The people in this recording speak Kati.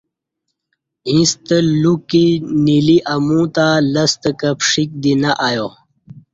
ییں ستہ لوکی نِیلی امو تہ لستہ کہ پݜیک دی نہ ایا